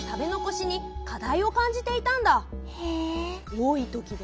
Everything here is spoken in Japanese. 多い時で